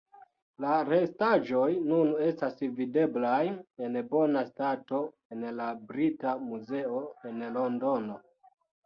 La restaĵoj nun estas videblaj en bona stato en la Brita Muzeo en Londono.